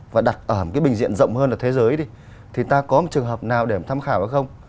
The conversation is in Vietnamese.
và đặt ở một cái bình diện rộng hơn ở thế giới đi thì ta có một trường hợp nào để tham khảo hay không